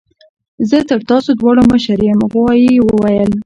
زه تر تاسو دواړو مشر یم غوايي وویل.